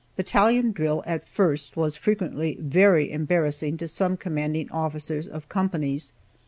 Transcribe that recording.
Battalion drill at first was frequently very embarrassing to some commanding officers of companies.